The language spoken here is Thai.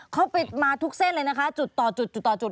เขาปิดมาทุกเส้นเลยนะคะจุดต่อจุดต่อจุดต่อจุดต่อ